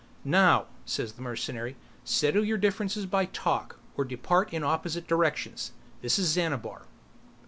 "Now," says the mercenary, "settle your differences by talk. Or depart in opposite directions. This is Xanabar!"